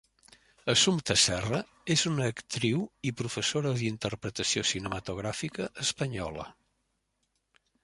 Assumpta Serra és una actriu i professora d'interpretació cinematogràfica espanyola.